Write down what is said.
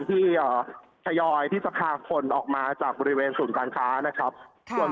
ไขยอยที่สคาสโผลกออกมาจากบริเวณศูนย์การค้านะครับครับ